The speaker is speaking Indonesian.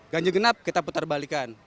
ganjil genap kita putar balikan